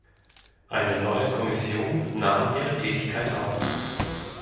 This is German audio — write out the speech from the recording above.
Eine neue Kommission nahm ihre Tätigkeit auf.